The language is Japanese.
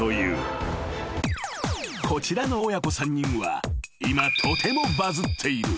［こちらの親子３人は今とてもバズっている］